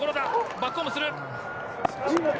バックホームする！